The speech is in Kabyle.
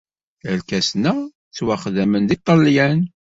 Irkasen-a ttwaxdamen deg Ṭṭalyan.